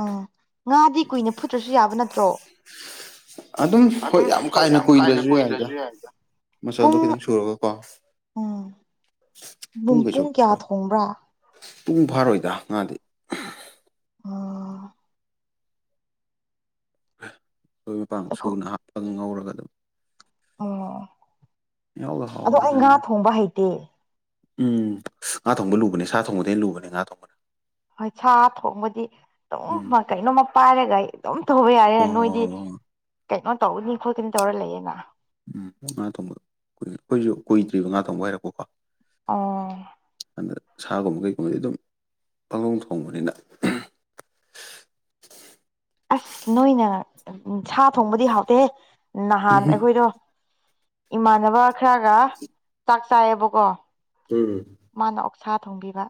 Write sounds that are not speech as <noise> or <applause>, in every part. ꯎꯝ ꯉꯥꯗꯤ ꯀꯨꯏꯅ ꯐꯨꯠꯇ꯭ꯔꯁꯨ ꯌꯥꯕ ꯅꯠꯇ꯭ꯔꯣ ꯑꯗꯨꯝ ꯍꯣꯏ ꯌꯥꯝ ꯀꯥꯅ ꯀꯨꯏꯗ꯭ꯔꯁꯨ ꯌꯥꯏꯗ ꯃꯆꯜꯗꯣ ꯄꯨꯡ ꯈꯤꯇꯪ ꯁꯨꯔꯒꯀꯣ ꯨꯄꯨꯡ ꯀꯌꯥ ꯊꯣꯡꯕ꯭ꯔꯥ ꯄꯨꯡ ꯐꯥꯔꯣꯏꯗ ꯉꯥꯗꯤ ꯑ ꯃꯔꯣꯏ ꯃꯄꯥꯡ ꯁꯨꯅ ꯍꯥꯞꯄꯒ ꯉꯧꯔꯒ ꯑꯗꯨꯝ ꯑꯣ ꯌꯥꯎꯗ ꯑꯗꯣ ꯑꯩ ꯍꯥꯎꯕꯅꯤꯗ ꯉꯥ ꯊꯣꯡꯕ ꯍꯩꯇꯦ ꯎꯝ ꯉꯥ ꯊꯣꯡꯕ ꯂꯨꯕꯅꯦ ꯁꯥ ꯊꯣꯡꯕꯗꯒꯤꯩꯅ ꯂꯨꯕꯅꯦ ꯉꯥ ꯊꯣꯡꯕꯅ ꯍꯣꯏ ꯁꯥ ꯊꯣꯡꯕꯗꯤ ꯎꯝ ꯑꯗꯨꯝ ꯀꯩꯅꯣꯝꯃ ꯄꯥꯏꯔꯒ ꯑꯗꯨꯝ ꯇꯧꯕ ꯍꯣꯏ ꯌꯥꯔꯦꯅ ꯅꯣꯏꯗꯤ ꯍꯣꯏ ꯍꯣꯏ ꯍꯣꯏ ꯍꯣꯏ ꯀꯩꯅꯣ ꯇꯧꯅꯤ ꯈꯣꯠꯀꯅꯤ ꯇꯧꯔ ꯂꯩꯌꯦꯦꯅ ꯎꯝ ꯉꯥ ꯊꯣꯡꯕ ꯀꯏ ꯑꯩꯈꯣꯏꯁꯨ ꯀꯨꯏꯗ꯭ꯔꯤꯕ ꯉꯥ ꯊꯣꯡꯕ ꯍꯥꯏꯔꯛꯄꯀꯣ ꯑ ꯁꯥꯒꯨꯝꯕ ꯀꯩꯒꯨꯝꯕꯗꯤ ꯑꯗꯨꯝ ꯄꯥꯒꯣꯡ ꯊꯣꯡꯕꯅꯤꯅ <unintelligible> ꯑꯁ ꯅꯣꯏꯅ ꯁꯥ ꯊꯣꯡꯕꯗꯤ ꯍꯥꯎꯇꯦ ꯅꯍꯥꯟ ꯎꯝ ꯑꯩꯈꯣꯏꯗꯣ ꯏꯃꯥꯟꯅꯕ ꯈꯔꯒ ꯆꯥꯛ ꯆꯥꯏꯌꯦꯕꯀꯣ ꯃꯥꯅ ꯑꯣꯛꯁꯥ ꯊꯣꯡꯕꯤꯕ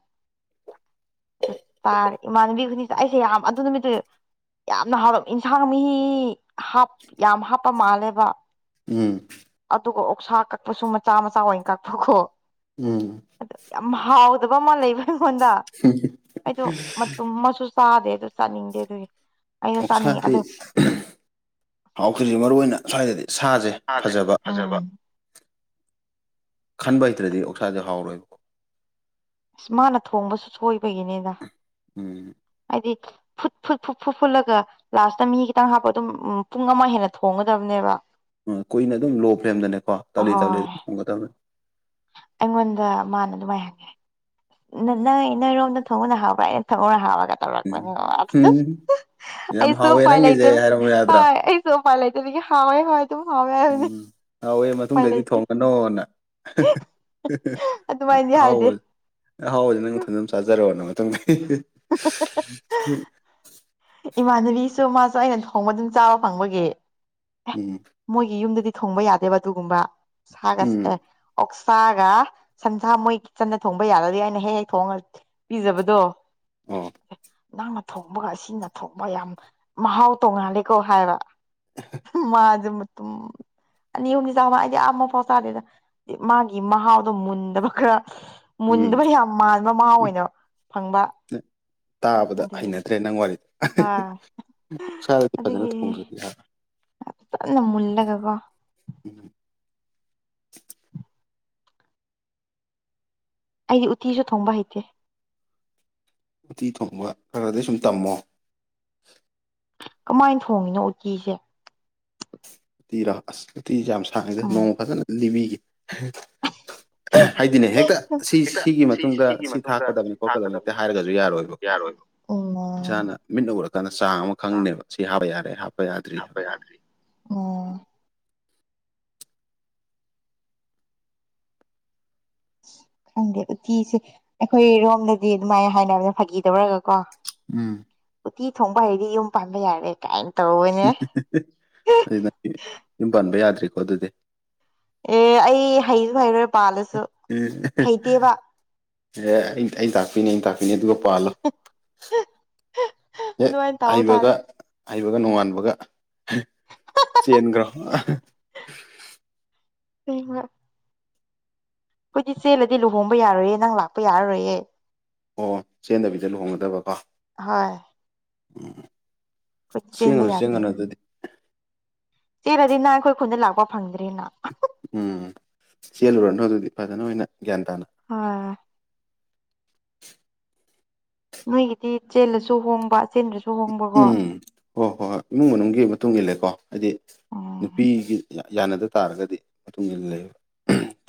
ꯑꯗꯨ ꯇꯥꯔꯦ ꯏꯃꯥꯟꯅꯕꯤ ꯈꯨꯅꯤ ꯑꯩꯁꯦ ꯌꯥꯝ ꯑꯗꯨ ꯅꯨꯃꯤꯠꯇꯨ ꯌꯥꯝꯅ ꯍꯥꯎ ꯌꯦꯟꯁꯥꯡ ꯃꯤ ꯍꯥ ꯌꯥꯝ ꯍꯥꯞꯄ ꯃꯥꯜꯂꯦꯕ ꯎꯝ ꯁ ꯁꯥ ꯀꯛꯄꯁꯨ ꯃꯆꯥ ꯃꯆꯥ ꯑꯣꯏꯅ ꯀꯛꯄꯈꯣ ꯎꯝ ꯐꯕ ꯑꯃ ꯂꯩꯕ꯭ꯔ ꯑꯩꯉꯣꯟꯗ ꯑꯩꯗꯣ ꯃꯇꯨꯝ ꯃꯆ ꯁꯥꯗꯦ ꯇꯁꯥꯅꯤꯡꯗꯦ ꯑꯗꯨ ꯑꯩꯗꯣ ꯆꯥꯅꯤꯡꯉꯦ ꯑꯣꯛꯁꯥꯗꯤ ꯑꯗꯨ ꯍꯥꯎꯈꯤ꯭ꯁꯦ ꯃꯔꯨꯏ ꯑꯣꯏꯅ ꯁ꯭ꯋꯥꯏꯗꯗꯤ ꯁꯥꯁꯦ ꯐꯖꯕ ꯈꯟꯕ ꯍꯩꯇ꯭ꯔꯗꯤ ꯑꯣꯛꯁꯥꯁꯦ ꯍꯥꯎꯔꯣꯏꯕ ꯑꯁ ꯃꯥꯅ ꯊꯣꯡꯕꯁꯨ ꯁꯣꯏꯕꯒꯤꯅꯦꯗ ꯎꯝ ꯍꯥꯏꯗꯤ ꯐꯨꯠ ꯐꯨꯠ ꯐꯨꯠ ꯐꯨꯠ ꯐꯨꯠꯂꯒ ꯂꯥꯁꯇ ꯃꯤ ꯈꯤꯇꯪ ꯍꯥꯞꯄ ꯑꯗꯨꯝ ꯎ ꯄꯨꯡ ꯑꯃ ꯍꯦꯟꯅ ꯊꯣꯡꯒꯗꯕꯅꯦꯕ ꯎ ꯀꯨꯏꯅ ꯑꯗꯨꯝ ꯂꯣ ꯐ꯭ꯔꯦꯝꯗꯅꯦꯀꯣ ꯇꯞꯂꯤ ꯍꯣꯏ ꯇꯧꯂꯤꯝ ꯊꯣꯡꯒꯗꯕꯅꯤ ꯑꯩꯉꯣꯟꯗ ꯃꯥꯅ ꯑꯗꯨꯥꯏꯍꯒꯦ ꯅꯪ ꯅꯪꯔꯣꯝꯗ ꯊꯣꯡꯉꯨꯅ ꯍꯥꯎꯕ꯭ꯔꯥ ꯑꯩꯅ ꯊꯃꯧꯅ ꯍꯥꯎꯔꯒ ꯎꯝ ꯇꯧꯔꯛꯄꯅꯤ ꯎꯝ ꯌꯥꯝ ꯑꯩ ꯁꯣ ꯍꯥꯎꯋꯦ ꯄꯥꯏ ꯅꯪꯒꯤꯁꯦ ꯂꯩꯇ ꯍꯥꯏꯔꯝꯕ ꯍ ꯌꯥꯗ꯭ꯔꯥ ꯑꯩ ꯁꯣ ꯄꯥꯏ ꯂꯩꯇꯕ ꯍꯦ ꯍ ꯑꯗꯨ ꯎꯝ ꯍꯥꯎꯋꯦ ꯃꯇꯨꯡꯗꯗꯤ ꯂꯩꯇꯦ ꯊꯣꯡꯒꯅꯣꯅ ꯑꯗꯨꯃꯥꯏꯅꯗꯤ ꯍꯥꯎ ꯍꯥꯏꯗꯦ ꯍꯥꯎ ꯅꯪ ꯊꯟꯝ ꯆꯥꯖ ꯔꯛꯅꯗꯤ ꯏꯃꯥꯟꯅꯕꯤꯁꯨ ꯃꯥꯁꯨ ꯑꯩꯅ ꯊꯣꯡꯕ ꯑꯗꯨꯝ ꯆꯥꯕ ꯐꯪꯕꯒꯤ ꯎꯝ ꯃꯣꯏꯒꯤ ꯌꯨꯝꯗꯗꯤ ꯊꯣꯡꯕ ꯌꯥꯗꯦꯕ ꯑꯗꯨꯒꯨꯝꯕ ꯁꯥꯒ ꯎꯝ ꯑꯦ ꯑꯣ ꯆꯒ ꯁꯟꯁꯥ ꯃꯣꯏ ꯀ ꯆꯟꯅ ꯊꯣꯡꯕ ꯌꯥꯔꯗꯤ ꯍꯥꯏꯅ ꯍꯦꯛ ꯍꯦꯛ ꯊꯣꯡꯉ ꯄꯤꯖꯕꯗꯣ ꯑ ꯅꯪꯅ ꯊꯣꯡꯕꯒ ꯁꯤꯅ ꯊꯣꯡꯕ ꯌꯥꯝ ꯃꯍꯥꯎ ꯇꯣꯡꯉꯥꯜꯂꯤꯀꯣ ꯍꯥꯏꯕ ꯃꯥꯖ ꯃꯠꯇꯨꯝ ꯑꯅꯤ ꯌꯨꯝꯒꯤ ꯆꯥꯃ ꯑꯩꯗꯤ ꯑ ꯑꯃ ꯄꯥꯎ ꯆꯥꯗꯦꯗ ꯃꯥꯒꯤ ꯃꯍꯥꯎꯗꯣ ꯃꯨꯟꯗꯕ ꯈꯔ ꯎꯝ ꯃꯨꯟꯗꯨꯕꯨꯗꯤ ꯌꯥꯝ ꯃꯥꯟꯕ ꯃꯍꯥꯎ ꯑꯣꯏꯅ ꯐꯪꯕ ꯇꯥꯕꯗ ꯑꯗꯨꯒꯤ ꯍꯩꯅꯗ꯭ꯔꯦ ꯅꯪ ꯋꯥꯔꯤꯗ ꯑꯥ ꯏꯁꯥꯗꯗꯤ ꯐꯖꯅ ꯊꯣꯡꯗ꯭ꯔ ꯀꯟꯅ ꯃꯨꯜꯒꯀꯣ ꯎꯝ <inaudible> ꯑꯩꯗꯤ ꯎꯇꯤꯁꯨ ꯊꯣꯡꯕ ꯍꯩꯇꯦ ꯎꯇꯤ ꯊꯣꯡꯕ ꯈꯔ ꯈꯔꯒꯗꯤ ꯁꯨꯝ ꯇꯝꯃꯣ ꯀꯃꯥꯏꯅ ꯊꯣꯡꯉꯤꯅꯣ ꯎꯇꯤꯁꯦ ꯎꯇꯤꯔꯣ ꯑꯁ ꯎꯇꯤꯁꯦ ꯌꯥꯝ ꯁꯥꯡꯉꯤꯗ ꯎꯝ ꯅꯣꯡꯃ ꯐꯖꯅ ꯂꯤꯕꯤꯈꯤ ꯍꯥꯏꯗꯤꯅꯦ ꯍꯦꯛꯇ ꯁꯤ ꯍꯦꯛꯇ ꯁꯤꯒꯤ ꯁꯤ ꯃꯇꯨꯡꯗ ꯁꯤꯒꯤ ꯁꯤ ꯃꯇꯨꯡꯗ ꯁꯤ ꯊꯥꯛꯀꯗꯕꯅꯤ ꯈꯣꯠꯀꯗꯕꯅꯤ ꯍꯦꯛꯇ ꯊꯥꯛꯀꯗꯕꯅꯤ ꯍꯥꯏꯔꯒꯁꯨ ꯌꯥꯔꯣꯏꯕ ꯏꯁꯥꯅ ꯃꯤꯠꯅ ꯎꯔꯥ ꯆꯥꯡ ꯑꯃ ꯈꯪꯅꯦꯕ ꯁꯤ ꯍꯥꯞꯄ ꯌꯥꯔꯦ ꯍꯥꯞꯄ ꯌꯥꯗ꯭ꯔꯤ ꯍꯥꯞꯄ ꯌꯥꯗ꯭ꯔꯤ ꯑꯣ ꯈꯪꯗꯦ ꯎꯇꯤꯁꯦ ꯑꯩꯈꯣꯏꯔꯣꯝꯗꯗꯤ ꯑꯗꯨꯃꯥꯏꯅ ꯍꯥꯏꯅꯕꯅ ꯐꯥꯒꯤꯗꯧꯔꯒ ꯀꯣ ꯎꯝ ꯎꯇꯤ ꯊꯣꯡꯕ ꯍꯩꯗꯤ ꯌꯨꯝ ꯄꯥꯟꯕ ꯌꯥꯔꯦ ꯀꯥꯏꯅ ꯇꯧꯕꯅꯦ ꯑꯗꯨ ꯅꯪ ꯌꯨꯝ ꯄꯥꯟꯕ ꯌꯥꯗ꯭ꯔꯤꯀꯣ ꯑꯗꯨꯗꯤ ꯑꯣ ꯑꯩ ꯍꯩꯁꯨ ꯍꯩꯔꯣꯏ ꯄꯥꯜꯂꯁꯨ ꯍꯩꯇꯦꯕ ꯑꯦ ꯑꯩꯩꯅ ꯇꯥꯛꯄꯤꯅꯦ ꯑꯩꯩꯅ ꯇꯥꯛꯄꯤꯅꯤ ꯅꯤ ꯑꯗꯨꯒ ꯄꯥꯜꯂꯣ ꯍꯦꯛ ꯑꯗꯨꯃꯥꯏꯅ ꯇꯧ ꯇꯥꯔꯦ ꯍꯩꯕꯒ ꯍꯩꯕꯒ ꯅꯣꯡꯉꯥꯟꯕꯒ ꯆꯦꯟꯈ꯭ꯔꯣ ꯎꯉ <unintelligible> ꯑꯩꯈꯣꯏꯗꯤ ꯆꯦꯜꯂꯗꯤ ꯂꯨꯍꯣꯡꯕ ꯌꯥꯔꯣꯏꯌꯦ ꯅꯪ ꯂꯥꯛꯄ ꯌꯥꯔꯔꯣꯏꯌꯦ ꯑꯣ ꯆꯦꯟꯗꯕꯤꯗ ꯂꯨꯍꯣꯡꯒꯗꯕ ꯀꯣ ꯍꯣꯏ ꯎꯝ ꯆꯦꯟꯕ ꯆꯦꯟꯒꯅꯨ ꯆꯦꯟꯒꯅꯨ ꯑꯗꯨꯗꯤ ꯆꯦꯔꯗꯤ ꯅꯪ ꯑꯩꯈꯣꯏ ꯈꯨꯟꯗ ꯂꯥꯛꯄ ꯐꯪꯗ꯭ꯔꯦꯅ ꯎꯝ ꯆꯦꯜꯂꯨꯔꯅꯨ ꯑꯗꯨꯗꯤ ꯐꯖꯅ ꯑꯣꯏꯅ ꯒ꯭ꯌꯥꯟ ꯇꯥꯅ ꯑꯥ ꯅꯣꯏꯒꯤꯗꯤ ꯆꯦꯜꯂꯁꯨ ꯍꯣꯡꯕ ꯆꯦꯟꯗ꯭ꯔꯁꯨ ꯍꯣꯡꯕꯀꯣ ꯎꯝ ꯎꯝ ꯍꯣꯏ ꯍꯣꯏ ꯍꯣꯏ ꯏꯃꯨꯡ ꯃꯅꯨꯡꯒꯤ ꯃꯇꯨꯡ ꯏꯂꯀꯣ ꯍꯥꯏꯗꯤ ꯎꯝ ꯅꯨꯄꯤꯒꯤ ꯌꯥꯅꯗ ꯇꯥꯔꯒꯗꯤ ꯃꯇꯨꯡ ꯏꯟꯅ ꯂꯩꯌꯦꯕ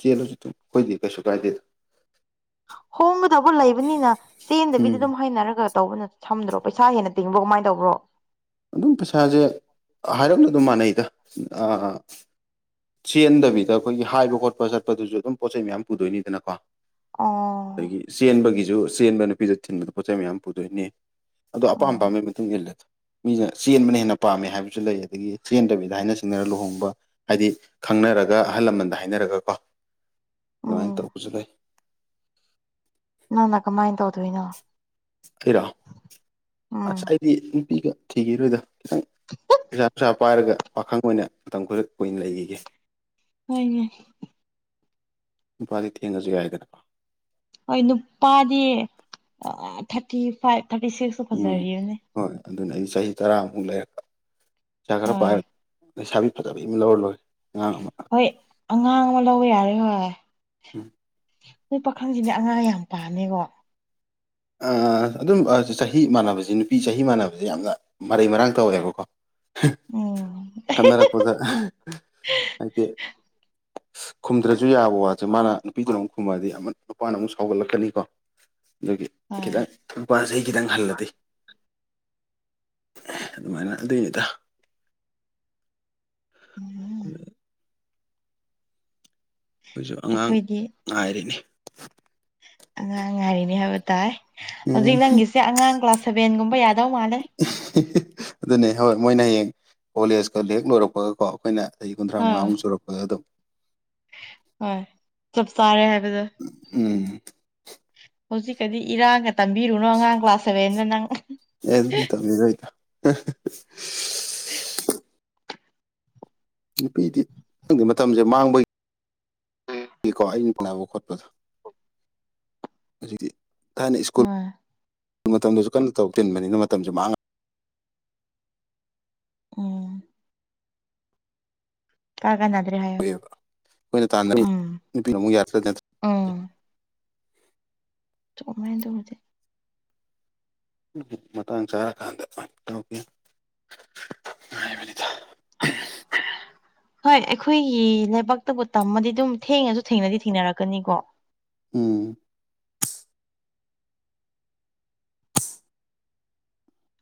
ꯆꯦꯜꯂꯁꯨ ꯑꯩꯈꯣꯏꯗꯦ ꯀꯩꯁꯨ ꯀꯥꯏꯗꯦꯗ <unintelligible> ꯍꯣꯡꯕꯗꯕꯨ ꯂꯩꯕꯅꯤꯅ ꯎꯝ ꯆꯦꯟꯗꯕꯤꯗ ꯑꯗꯨꯝ ꯍꯥꯏꯅꯔꯒ ꯇꯧꯕꯅ ꯁꯝꯗ꯭ꯔꯣ ꯄꯩꯁꯥ ꯍꯦꯟꯅ ꯇꯤꯡꯕ꯭ꯔꯣ ꯀꯃꯥꯏꯅ ꯇꯧꯕ꯭ꯔꯣ ꯑꯗꯨꯝ ꯄꯩꯁꯥꯁꯦ ꯍꯥꯏꯔꯛꯂ ꯑꯗꯨꯝ ꯃꯥꯟꯅꯩꯗ ꯆꯦꯟꯗꯕꯤꯗ ꯑꯩꯈꯣꯏꯒꯤ ꯍꯥꯏꯕ ꯈꯣꯠꯄ ꯆꯠꯄꯗꯨꯁꯨ ꯑꯗꯨꯝ ꯄꯣꯠ ꯆꯩꯩ ꯃꯌꯥꯝ ꯄꯨꯗꯣꯏꯅꯤꯗꯅꯀꯣ ꯑꯣ ꯑꯗꯒꯤ ꯆꯦꯟꯕꯒꯤꯁꯨ ꯆꯦꯟꯕ ꯅꯨꯄꯤꯗ ꯊꯤꯟꯕꯗ ꯄꯣꯠꯆꯩ ꯃꯌꯥꯝ ꯄꯨꯗꯣꯏꯅꯦ ꯑꯗꯣ ꯑꯄꯥꯝ ꯎꯝ ꯑꯄꯥꯝꯕꯒꯤ ꯃꯇꯨꯡ ꯏꯜꯂꯦꯗꯣ ꯃꯤꯅ ꯆꯦꯟꯕꯅ ꯍꯦꯟꯅ ꯄꯥꯝꯃꯦ ꯍꯥꯏꯕꯁꯨ ꯂꯩ ꯑꯗꯒꯤ ꯆꯦꯟꯗꯕꯤꯗ ꯍꯥꯏꯅ ꯁꯤꯡꯅꯅ ꯂꯨꯍꯣꯡꯕ ꯍꯥꯏꯗꯤ ꯈꯪꯅ ꯔꯒ ꯑꯍꯜ ꯂꯃꯟꯗ ꯍꯥꯏꯅꯔꯒ ꯀꯣ ꯑꯗꯨꯃꯥꯏꯅ ꯎꯝ ꯇꯧꯕꯁꯨ ꯂꯩ ꯅꯪ ꯅ ꯀꯃꯥꯏꯅ ꯇꯧꯗꯣꯏꯅꯣ ꯑꯩꯔꯣ ꯎꯝ ꯑꯁ ꯑꯩꯗꯤ ꯅꯨꯄꯤꯒ ꯊꯤꯒꯤꯔꯣꯏꯗ ꯈꯤꯇꯪ ꯄꯩꯁꯥ ꯄꯅꯨꯡꯁꯥ ꯄꯥꯏꯔꯒ ꯄꯥꯈꯪ ꯑꯣꯏꯅ ꯃꯇꯝ ꯈꯔ ꯀꯨꯏꯅ ꯂꯩꯈꯤꯒꯦ ꯍꯣꯏꯅꯦ ꯅꯨꯄꯥꯗꯤ ꯊꯦꯡꯉꯁꯨ ꯌꯥꯏꯗꯅꯀꯣ ꯍꯣꯏ ꯅꯨꯄꯥꯗꯤ ꯊꯥꯔꯇꯤ ꯐꯥꯏꯚ ꯊꯥꯔꯇꯤ ꯁꯤꯛꯁꯇ ꯎꯝ ꯐꯖꯔꯤꯅꯦ ꯍꯣꯏ ꯑꯗꯨꯅ ꯑꯩ ꯆꯍꯤ ꯇꯔꯥꯃꯨꯛ ꯂꯩꯔꯒ ꯄꯩꯁꯥ ꯈꯔ ꯍꯣꯏ ꯄꯥꯏꯔꯒ ꯂꯩꯁꯥꯕꯤ ꯐꯖꯕ ꯑꯃ ꯂꯧꯔ ꯂꯣꯏꯔꯦ ꯑꯉꯥꯡ ꯑꯃ ꯍꯣꯏ ꯑꯉꯥꯡ ꯑꯃ ꯂꯧꯕ ꯌꯥꯔꯦ ꯍꯣꯏ ꯎꯝ ꯁꯤ ꯄꯥꯈꯪꯁꯤꯗꯤ ꯑꯉꯥꯡ ꯌꯥꯝ ꯄꯥꯅꯦꯀꯣ ꯑꯗꯨꯝ ꯆꯍꯤ ꯃꯥꯟꯅꯕꯁꯤ ꯅꯨꯄꯤ ꯆꯍꯤ ꯃꯥꯟꯅꯕꯁꯦ ꯌꯥꯝꯅ ꯃꯔꯩ ꯃꯔꯥꯡ ꯇꯧꯋꯦꯕꯀꯣ ꯎꯝ ꯈꯟꯅꯔꯄꯣꯖꯥ ꯍꯥꯏꯦ ꯈꯨꯝꯗ꯭ꯔꯁꯨ ꯌꯥꯕ ꯋꯥꯠꯁꯦ ꯃꯥꯅ ꯅꯨꯄꯤꯗꯨꯅ ꯑꯃꯨꯛ ꯈꯨꯝꯃꯗꯤ ꯑꯃ ꯅꯨꯄꯥꯅ ꯑꯃꯨꯛ ꯁꯥꯎꯒꯠꯂꯛꯀꯅꯤꯀꯣ ꯑꯗꯨꯒꯤ ꯍꯣꯏ ꯈꯤꯇꯪ ꯅꯨꯄꯥ ꯆꯍꯤ ꯈꯤꯇꯪ ꯍꯜꯂꯗꯤ ꯑꯗꯨꯃꯥꯏꯅ ꯑꯗꯨꯗ ꯀꯩꯅꯠꯇ ꯎꯝ ꯑꯩꯈꯣꯏꯁꯨ ꯑꯉꯥꯡ ꯑꯩꯈꯣꯏꯗꯤ ꯉꯥꯏꯔꯤꯅꯤ ꯑꯉꯥꯡ ꯉꯔꯤꯅꯤ ꯍꯥꯏꯕ ꯇꯥꯏ ꯍꯧꯖꯤꯛ ꯎꯝ ꯅꯪꯒꯤꯁꯦ ꯑꯉꯥꯡ ꯀ꯭ꯂꯥꯁ ꯁꯦꯚꯦꯟꯒꯨꯝꯕ ꯑꯗꯨꯅꯦ ꯍꯣꯏ ꯃꯣꯏꯅ ꯍꯌꯦꯡ ꯀꯣꯂꯦꯖꯀ ꯂ ꯍꯦꯛ ꯂꯣꯏꯔꯛꯄꯒꯀꯣ ꯑꯩꯈꯣꯏꯅ ꯆꯍꯤ ꯀꯨꯟꯊ꯭ꯔꯥ ꯑꯥ ꯃꯉꯥꯃꯨꯛ ꯆꯨꯔꯛꯄꯒ ꯑꯗꯨꯝ ꯍꯣꯏ ꯆꯞ ꯆꯥꯔꯦ ꯍꯥꯏꯕꯖ ꯎꯝ ꯍꯧꯖꯤꯛꯀꯗꯤ ꯏꯔꯥꯡꯒ ꯇꯝꯕꯤꯔꯨꯅꯣ ꯑꯉꯥꯡ ꯀ꯭ꯂꯥꯁ ꯁꯚꯦꯟꯗ ꯅꯪ ꯑꯦꯗꯤ ꯇ ꯃꯤ ꯅ ꯅꯨꯄꯤꯗꯤ ꯅꯪꯒꯤ ꯃꯇꯝꯁꯦ ꯃꯥꯡꯕꯒꯤ ꯑꯦꯀꯣ ꯑꯩꯅ ꯀꯥꯟꯅꯕ ꯈꯣꯠꯄꯗ ꯑꯗꯨꯗꯤ ꯊꯥꯏꯅ ꯁ꯭ꯀꯨꯜ ꯍꯣꯏ ꯃꯇꯝꯗꯁꯨ ꯀꯟꯅ ꯇꯧ ꯇꯤꯟꯕꯅꯤꯅ ꯃꯇꯝꯁꯨ ꯃꯥꯡꯉ ꯎꯝ ꯀꯥ ꯀ ꯅꯗ꯭ꯔꯦ ꯍꯥꯏꯌꯣ ꯃꯥꯡꯉꯑꯦꯕ ꯑꯩꯈꯣꯏꯅ ꯇꯥꯟ ꯎꯝ ꯅꯨꯄꯤ ꯑꯃꯨꯛ ꯌꯥ꯭ꯔ ꯆꯃꯥꯏꯗ ꯍꯧꯗꯤ ꯎꯝ ꯃꯇꯥꯡ ꯆꯥꯔꯀꯥꯟꯗ ꯇꯧꯦꯕꯅꯤ <unintelligible> ꯍꯣꯏ ꯑꯩꯈꯣꯏꯒꯤ ꯂꯩꯕꯥꯛꯇꯕꯨ ꯇꯝꯃꯗꯤ ꯑꯗꯨꯝ ꯊꯦꯡꯉꯁꯨ ꯊꯦꯡꯅꯗꯤ ꯊꯦꯡꯅꯔꯛꯀꯅꯤꯀꯣ ꯎꯝ <unintelligible>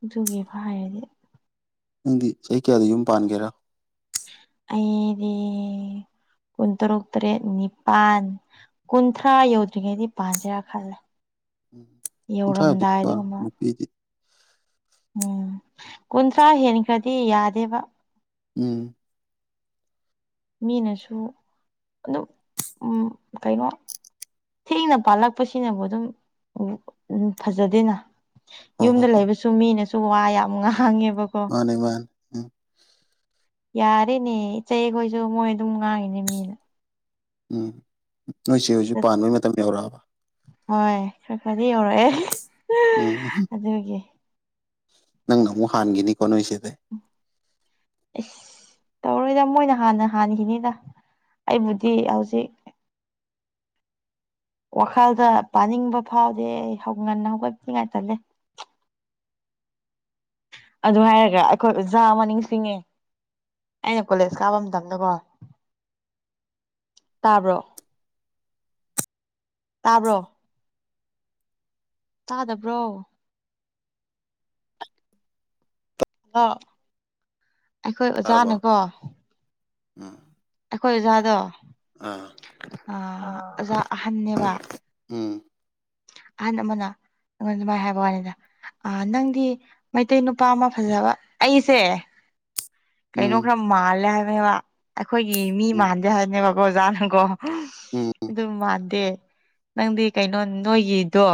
ꯑꯗꯨꯒꯤꯕ ꯍꯥꯏꯔꯗꯤ ꯅꯪꯗꯤ ꯆꯍꯤ ꯀꯌꯥꯗ ꯌꯨꯝ ꯄꯥꯟꯒꯦꯔꯥ ꯑꯩꯗꯤ ꯀꯨꯟ ꯇꯔꯨꯛ ꯇꯔꯦꯠ ꯅꯤꯄꯥꯟ ꯀꯨꯟꯊ꯭ꯔꯥ ꯌꯧꯗ꯭ꯔꯤꯉꯩꯗꯤ ꯄꯖꯔꯥ ꯈꯜꯂꯦ ꯎꯝ ꯀꯨꯟꯊ꯭ꯔꯥꯕꯨꯗꯤ ꯌꯧꯔꯝꯗꯥꯏ ꯄꯥ ꯑꯗꯨꯒꯨꯝꯕ ꯅꯨꯄꯤꯗꯤ ꯎꯝ ꯀꯨꯟꯊ꯭ꯔꯥ ꯍꯦꯟꯈ꯭ꯔꯗꯤ ꯌꯥꯗꯦꯕ ꯎꯝ ꯃꯤꯅꯁꯨ ꯑꯗꯨꯝ ꯀꯩꯅꯣ ꯊꯦꯡꯅ ꯄꯥꯜꯂꯛꯄꯁꯤꯅꯕꯨ ꯑꯗꯨꯝ ꯐꯖꯗꯦꯅ ꯍꯣ ꯍꯣ ꯌꯨꯝꯗ ꯂꯩꯕꯁꯨ ꯃꯤꯅꯁꯨ ꯋꯥ ꯌꯥꯝ ꯉꯥꯡꯉꯦꯕ ꯃꯥꯅꯤ ꯃꯥꯅꯦ ꯌꯥꯔꯦꯅꯦ ꯏꯆꯦꯈꯣꯏꯁꯨ ꯃꯣꯏ ꯑꯗꯨꯝ ꯉꯥꯡꯉꯤꯅꯦ ꯃꯤꯅ ꯎꯝ ꯅꯣꯏꯁꯦ ꯍꯧꯖꯤꯛ ꯄꯥꯟꯕꯩ ꯃꯇꯝ ꯌꯧꯔꯛꯑꯕ ꯍꯣꯏ ꯈꯔ ꯈꯔꯗꯤ ꯌꯧꯔꯛꯑꯦ ꯑꯗꯨꯒꯤ ꯅꯪ ꯑꯃꯨꯛ ꯍꯥꯟꯈꯤꯅꯤꯀꯣ ꯅꯣꯏꯁꯤꯗ ꯑꯁ ꯇꯧꯔꯣꯏꯗ ꯃꯣꯏꯅ ꯍꯥꯟꯅ ꯍꯥꯟꯈꯤꯅꯤꯅ ꯑꯩꯕꯨꯗꯤ ꯍꯧꯖꯤꯛ ꯋꯥꯈꯜꯗ ꯄꯥꯅꯤꯡꯕ ꯐꯥꯎꯗꯦ ꯍꯧ ꯉꯟꯅ ꯍꯧꯒꯠꯅꯤꯉꯥꯏꯇꯜꯂꯦ ꯑꯗꯨ ꯍꯥꯏꯔꯒ ꯑꯩꯈꯣꯏ ꯑꯣꯖꯥ ꯑꯃ ꯅꯤꯡꯁꯤꯡꯉꯦ ꯑꯩꯅ ꯀꯣꯂꯦꯖ ꯀꯥꯕ ꯃꯇꯝꯗꯀꯣ ꯇꯥꯕ꯭ꯔꯣ ꯇꯥꯕ꯭ꯔꯣ ꯇꯥꯗꯕ꯭ꯔꯣ ꯍꯜꯂꯣ ꯑꯩꯈꯣꯏ ꯑꯣꯖꯥꯅꯀꯣ ꯑ ꯈꯣꯏꯖꯥꯗꯣ ꯑ ꯑꯣꯖꯥ ꯑꯍꯟꯅꯅꯦꯕ ꯎꯝ ꯑꯍꯟ ꯑꯃꯅ ꯃ ꯃꯥ ꯍꯦꯕꯅꯤꯗ ꯑ ꯅꯪꯗꯤ ꯃꯩꯇꯩ ꯅꯨꯄꯥ ꯑꯃ ꯐꯖꯕ ꯑꯩꯁꯦ ꯀꯩꯅꯣ ꯎꯝ ꯈꯔ ꯃꯥꯜꯂꯦ ꯍꯥꯏꯕꯅꯦꯕ ꯑꯩꯈꯣꯏꯒꯤ ꯃꯤ ꯎꯝ ꯃꯥꯟꯗꯦ ꯍꯥꯏꯕꯅꯦꯕꯀꯣ ꯑꯣꯖꯥꯅꯀꯣ ꯎꯝ ꯎꯝ ꯑꯗꯨꯝ ꯃꯥꯟꯗꯦ ꯅꯪꯗꯤ ꯀꯩꯅꯣ ꯅꯣꯏꯒꯤꯗꯣ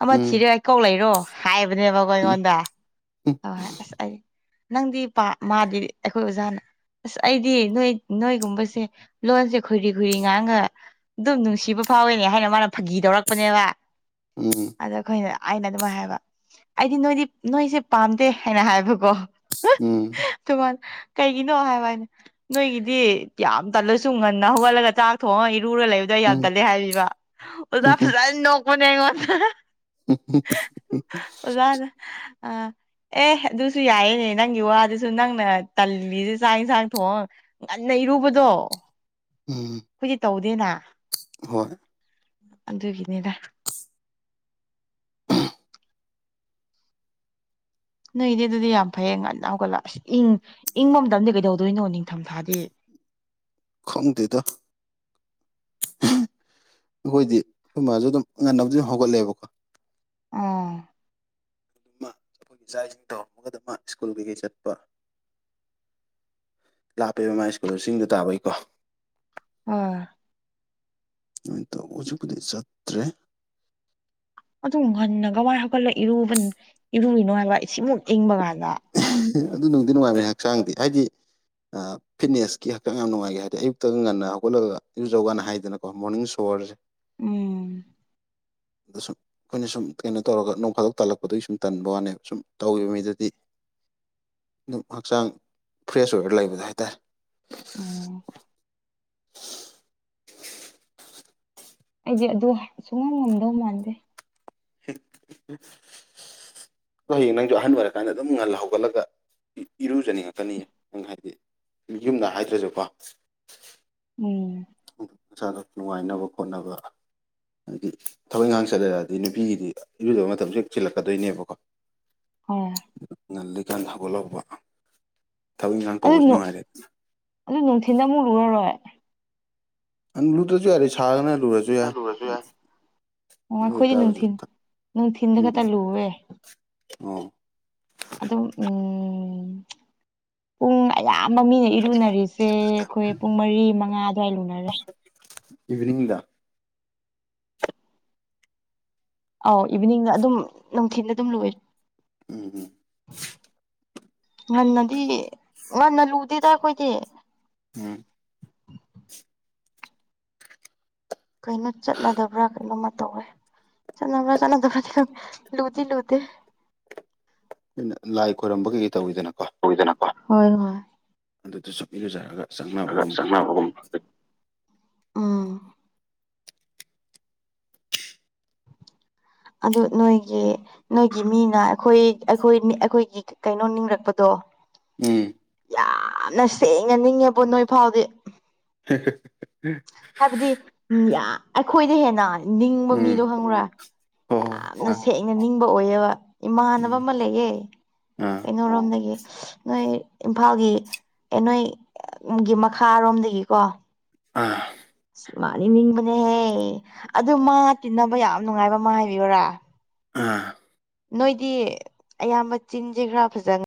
ꯑꯃ ꯎꯝ ꯊꯤꯔꯦ ꯑꯩ ꯀꯧ ꯂꯩꯔꯣ ꯍꯥꯏꯕꯅꯦꯕꯀꯣ ꯎꯝ ꯑꯩꯉꯣꯟꯗ ꯑ ꯑꯁ ꯑꯩ ꯅꯪꯗꯤ ꯄ ꯃꯥꯗꯤ ꯑꯩꯈꯣꯏ ꯑꯣꯖꯥꯅ ꯑꯁ ꯑꯩꯗꯤ ꯅꯣꯏ ꯅꯣꯏꯒꯨꯝꯕꯁꯦ ꯂꯣꯟꯁꯦ ꯈꯣꯏꯔꯤ ꯈꯣꯏꯔꯤ ꯉꯥꯡꯒ ꯑꯗꯨꯝ ꯅꯨꯡꯁꯤꯕ ꯐꯥꯎꯋꯦꯅꯦ ꯍꯥꯏꯅ ꯃꯥꯅ ꯐꯥꯒꯤ ꯇꯧꯔꯛꯄꯅꯦꯕ ꯑꯗ ꯑꯩꯈꯣꯏꯅ ꯑꯩꯅ ꯑꯗꯨꯃꯥꯏ ꯍꯥꯏꯕ ꯑꯩꯗꯤ ꯅꯣꯏꯗꯤ ꯅꯣꯏꯁꯦ ꯄꯥꯝꯗꯦ ꯍꯥꯏꯅ ꯍꯥꯏꯕꯀꯣ ꯎꯝ ꯑꯗꯨꯃꯅ ꯀꯩꯒꯤꯅꯣ ꯍꯥꯏꯕ ꯍꯥꯏꯅꯦ ꯅꯣꯏꯒꯤꯗꯤ ꯌꯥꯝ ꯇꯜꯂꯁꯨ ꯉꯟꯅ ꯍꯧꯒꯠꯂꯒ ꯆꯛ ꯆꯥꯛ ꯊꯣꯡꯑꯒ ꯏꯔꯨꯔ ꯂꯩꯕꯗꯣ ꯎꯝ ꯌꯥꯝ ꯎꯝ ꯇꯠꯂꯦ ꯍꯥꯏꯕꯤꯕ ꯑꯣꯖꯥ ꯐꯖꯅ ꯅꯣꯛꯄꯅꯦ ꯑꯩꯉꯣꯟꯗ <unintelligible> <inaudible> ꯑꯣꯖꯥꯅ ꯑ ꯑꯦ ꯑꯗꯨꯁꯨ ꯌꯥꯏꯌꯦꯅꯦ ꯅꯪꯒꯤ ꯋꯥꯗꯨꯁꯨ ꯁ ꯅꯪꯅ ꯇꯜꯂꯤꯁꯦ ꯆꯥꯛ ꯌꯦꯟꯁꯥꯡ ꯊꯣꯡ ꯉꯟꯅ ꯏꯔꯨꯕꯗꯣ ꯎꯝ ꯑꯩꯈꯣꯏꯁ ꯇꯧꯗꯦꯅ ꯍꯣꯏ ꯑꯗꯨꯒꯤꯅꯤꯗ ꯅꯣꯏꯗꯤ ꯑꯗꯨꯗꯤ ꯌꯥꯝ ꯐꯩ ꯉ ꯅꯅꯥꯎꯒꯠꯂ ꯑꯁ ꯏꯪ ꯏꯪꯕ ꯃꯇꯝꯗꯤ ꯀꯩꯗꯧꯗꯣꯏꯅꯣ ꯅꯤꯡꯊꯝꯊꯥꯗꯤ ꯈꯪꯗꯦꯗ ꯑꯩꯈꯣꯏꯗꯤ ꯑꯩꯈꯣꯏ ꯃꯥꯃꯥꯁꯨ ꯑꯗꯨꯝ ꯉꯟꯅꯕ ꯑꯗꯨꯝ ꯍꯧꯒꯠꯂꯛꯂꯦꯕꯀꯣ ꯑꯣ ꯑꯗꯨꯃ ꯑꯩꯈꯣꯏꯒꯤ ꯏꯆꯥꯥꯛ ꯏꯁꯤꯡ ꯇꯧꯔꯃꯒ ꯑꯗꯨꯃ ꯁ꯭ꯀꯨꯜ ꯀꯩꯀꯩ ꯆꯠꯄ ꯂꯥꯞꯄꯕ ꯃꯥꯥꯏ ꯁ꯭ꯀꯨꯜ ꯆꯤꯡꯗ ꯇꯥꯕꯩꯀꯣ ꯎꯝ ꯅꯣꯏꯇꯣ ꯑꯣꯆ ꯀꯂꯤ ꯆꯇ꯭ꯔ ꯑꯗꯨꯝ ꯉꯟꯅꯒꯋꯥꯏ ꯍꯧꯒꯠꯂꯒ ꯏꯔꯨꯕ ꯏꯔꯨꯔꯤꯅꯣ ꯍꯥꯏꯕ ꯏ ꯁꯤꯃꯨꯛ ꯌꯦꯡꯕ ꯀꯥꯟꯗ ꯑꯗꯨ ꯅꯨꯡꯗꯤ ꯅꯨꯡꯉꯥꯏꯔꯦ ꯍꯛꯆꯥꯡꯗꯤ ꯍꯥꯏꯗꯤ ꯐꯤꯠꯅꯦꯁꯀꯤ ꯍꯛꯆꯥꯡ ꯌꯥꯝ ꯅꯨꯡꯉꯥꯏꯈꯤ ꯍꯥꯏꯗꯤ ꯑꯌꯨꯛꯇꯒ ꯉꯟꯅ ꯍꯧꯒꯠꯂꯒ ꯑꯌꯨꯛꯖꯧꯀꯥꯟꯅ ꯍꯥꯏꯗꯅꯀꯣ ꯃꯣꯔꯅꯤꯡ ꯁꯣꯋꯔꯁꯦ ꯎꯝ <unintelligible> <inaudible> ꯑꯩꯈꯣꯏꯅ ꯁꯨꯝ ꯀꯩꯅꯣ ꯇꯧꯔꯒ ꯅꯣꯡ ꯈꯥꯗꯣꯛ ꯇꯥꯜꯂꯛꯄꯗꯨꯒꯤ ꯁꯨꯝ ꯇꯟꯕ ꯋꯥꯅꯦꯕ ꯁꯨꯝ ꯇꯧꯈꯤꯕ ꯃꯤꯗꯨꯗꯤ <unintelligible> <inaudible> ꯑꯗꯨꯝ ꯍꯛꯆꯥꯡ ꯐ꯭ꯔꯦꯁ ꯑꯣꯏꯔꯒ ꯂꯩꯕꯗ ꯍꯥꯏꯇꯥꯔꯦ ꯎꯝ ꯑꯩꯗꯤ ꯑꯗꯨ ꯁꯨꯡꯉꯝ ꯉꯝꯗꯧ ꯃꯥꯟꯗꯦ ꯑꯣ ꯍꯌꯦꯡ ꯅꯪꯁꯨ ꯑꯍꯟ ꯑꯣꯏꯔꯀꯥꯟꯗ ꯑꯗꯨꯝ ꯉꯜ ꯍꯧꯒꯠꯂꯒ ꯏꯔꯨꯖꯅꯤꯡꯉꯛꯇꯅꯤꯌꯦ ꯅꯪ ꯍꯥꯏꯗꯤ ꯌꯨꯝꯗ ꯍꯥꯏꯗ꯭ꯔꯁꯨꯀꯣ ꯎꯝ ꯃꯁꯥꯗ ꯅꯨꯡꯉꯥꯏꯅꯕ ꯈꯣꯠꯅꯕ ꯍꯥꯏꯗꯤ ꯊꯕꯛ ꯏꯪꯈꯥꯡ ꯆꯠꯂꯗꯤ ꯅꯨꯄꯤꯒꯤꯗꯤ ꯏꯔꯨꯗꯕ ꯃꯇꯝꯁꯨ ꯍꯦꯛ ꯆꯤꯜꯂꯛꯀꯗꯣꯏꯅꯦꯕꯀꯣ ꯍꯣꯏ ꯀꯥꯟ ꯊꯒꯠꯂꯛꯧꯕ ꯑꯗꯨ ꯑꯗꯨ ꯅꯨꯡꯊꯤꯟ ꯑꯃꯨꯛ ꯂꯨꯔꯔꯣꯏ ꯪ ꯂꯨꯗ꯭ꯔꯁꯨ ꯌꯥꯔꯦ ꯁꯥꯔꯅ ꯂꯨꯔꯁꯨ ꯌꯥꯏ ꯑꯗꯨ ꯑꯣꯥꯏ ꯈꯣꯏꯖ ꯑꯣꯏꯇꯥꯔꯁꯨ ꯅꯨꯡꯊꯤꯟ ꯅꯨꯡꯊꯤꯟꯗꯥ ꯎꯝ ꯈꯇ ꯂꯨꯋꯦ ꯑꯣ ꯑꯗꯨꯝ ꯎꯝ ꯄꯨꯡ ꯑꯌꯥ ꯃꯃꯤꯡꯅ ꯏꯔꯨꯅꯔꯤꯁꯦ ꯑꯩꯈꯣꯏ ꯄꯨꯡ ꯃꯔꯤ ꯃꯉꯥ ꯑꯗꯨꯋꯥꯏ ꯂꯨꯅꯔꯦ ꯏꯚꯤꯅꯤꯡꯗ ꯑꯧ ꯏꯚꯤꯅꯤꯡꯅ ꯑꯗꯨꯝ ꯅꯨꯡꯊꯤꯜꯗ ꯑꯗꯨꯝ ꯂꯣꯏꯔꯦ ꯎꯝ ꯎꯝ ꯉꯟꯅꯗꯤ ꯉꯟꯅ ꯂꯨꯗꯦꯗ ꯑꯩꯈꯣꯏꯗꯤ ꯎꯝ ꯀꯩꯅꯣ ꯆꯠꯅꯗꯕ꯭ꯔꯥ ꯀꯩꯅꯣꯝꯃ ꯇꯧꯋꯦ ꯆ ꯆ ꯂꯨꯗꯤ ꯂꯨꯗ ꯑꯩꯅ ꯂꯥꯏ ꯈꯣꯏꯔꯝꯕ ꯀꯩ ꯇꯧꯋꯤꯗꯅꯣ ꯍꯣꯏ ꯍꯣꯏ ꯑꯗꯨꯗ ꯆ ꯏꯔꯖꯔꯒ ꯑ ꯁꯥꯟꯅꯨꯝ ꯐ ꯎꯝ ꯑꯗꯨ ꯅꯣꯏꯒꯤ ꯅꯣꯏꯒꯤ ꯃꯤꯅ ꯑꯩꯈꯣꯏ ꯑꯩꯈꯣꯏ ꯑꯩꯈꯣꯏꯒꯤ ꯀꯩꯅꯣ ꯅꯤꯡꯔꯛꯄꯗꯣ ꯎꯝ ꯌꯥꯝꯅ ꯁꯦꯡꯅ ꯅꯤꯡꯉꯦꯕ ꯅꯣꯏ ꯐꯥꯎꯗꯤ <unintelligible> ꯍꯥꯏꯕꯗꯤ ꯑꯩꯈꯣꯏꯗꯤ ꯍꯦꯟꯅ ꯅꯤꯡꯕ ꯎꯝ ꯃꯤꯗꯣ ꯈꯪꯕ꯭ꯔꯥ ꯍꯣ ꯍꯣ ꯌꯥꯝꯅ ꯍꯣ ꯁꯦꯡꯅ ꯅꯤꯡꯕ ꯑꯣꯏꯌꯦꯕ ꯏꯃꯥꯟꯅꯕ ꯎꯝ ꯑꯃ ꯂꯩꯌꯦ ꯑꯥ ꯀꯩꯅꯣꯔꯣꯝꯗꯒꯤ ꯅꯣꯏ ꯏꯝꯐꯥꯜꯒꯤ ꯅꯣꯏ ꯒꯤ ꯃꯈꯥꯔꯣꯝꯗꯒꯤꯀꯣ ꯑꯥ ꯃꯥꯅꯤ ꯅꯤꯡꯕꯅꯦꯍꯦ ꯑꯗꯨ ꯃꯥ ꯇꯤꯟꯅꯕ ꯌꯥꯝ ꯅꯨꯡꯉꯥꯏꯕ ꯃꯥ ꯍꯥꯏꯕꯤꯌꯔꯥ ꯑꯥ ꯅꯣꯏꯗꯤ ꯑꯌꯥꯝꯕ ꯆꯤꯟꯁꯦ ꯈꯔ ꯐꯖꯅ